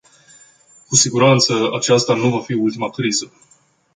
Cu siguranță, aceasta nu va fi ultima criză.